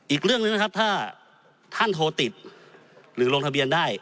อีกเรื่องหนึ่งนะครับถ้าท่านโทรติดหรือลงทะเบียนได้